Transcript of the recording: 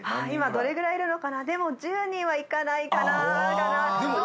今どれぐらいいるのかなでも１０人はいかないかな。